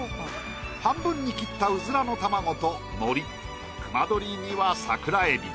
半分に切ったうずらの卵と海苔くま取りには桜エビ。